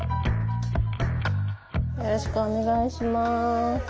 よろしくお願いします。